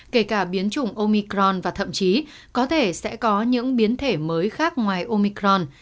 kể cả biến chủng omicron và thậm chí có thể sẽ có những biến thể mới khác ngoài omicron